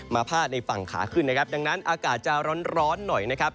พาดในฝั่งขาขึ้นนะครับดังนั้นอากาศจะร้อนหน่อยนะครับ